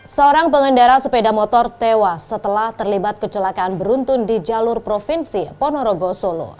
seorang pengendara sepeda motor tewas setelah terlibat kecelakaan beruntun di jalur provinsi ponorogo solo